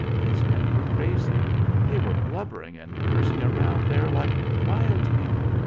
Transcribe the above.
His men were crazy. They were blubbering and cursing around there like wild people.